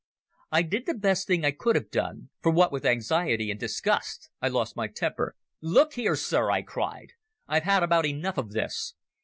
I did the best thing I could have done, for what with anxiety and disgust I lost my temper. "Look here, Sir," I cried, "I've had about enough of this.